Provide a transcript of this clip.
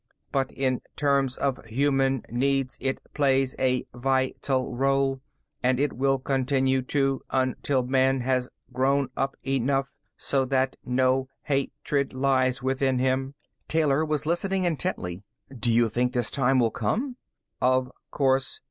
But in terms of human needs, it plays a vital role. And it will continue to until Man has grown up enough so that no hatred lies within him." Taylor was listening intently. "Do you think this time will come?" "Of course.